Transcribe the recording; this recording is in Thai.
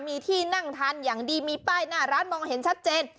มีที่นั่งทันอย่างดีมีป้ายหน้าร้านมองเห็นชัดเจน